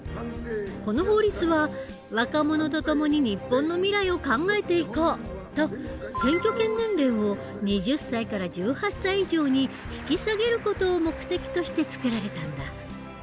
この法律は「若者とともに日本の未来を考えていこう」と選挙権年齢を２０歳から１８歳以上に引き下げる事を目的として作られたんだ。